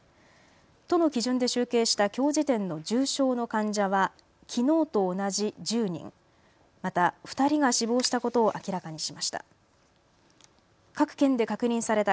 都の基準で集計したきょう時点の重症の患者はきのうと同じ１０人、また２人が死亡したことを明らかにしました。